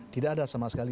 tidak ada sama sekali